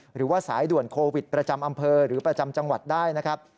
หรือว่าสายด่วนโควิดประจำอำเภอหรือประจำจังหวัดได้นะครับ